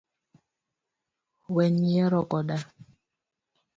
Wek nyiero koda